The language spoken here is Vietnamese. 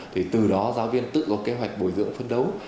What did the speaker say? thì từ đó giáo viên tự có kế hoạch bồi dưỡng phấn đấu